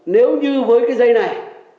nếu như với cái dây này